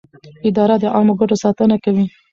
اداره د عامه ګټو ساتنه کوي.